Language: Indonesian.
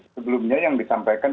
sebelumnya yang disampaikan